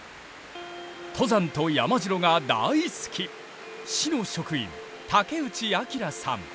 登山と山城が大好き市の職員竹内章さん。